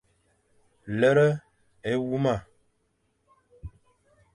Lere éwuma.